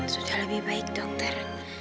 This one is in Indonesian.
sudah lebih baik dokter